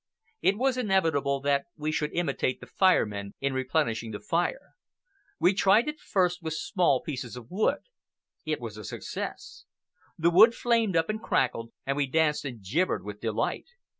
It was inevitable that we should imitate the Fire Men in replenishing the fire. We tried it first with small pieces of wood. It was a success. The wood flamed up and crackled, and we danced and gibbered with delight.